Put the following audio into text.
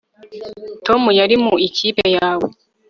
tom yari mu ikipe yawe